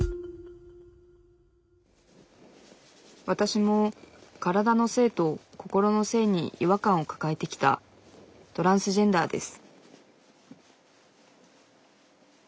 わたしも体の性と心の性に違和感を抱えてきたトランスジェンダーです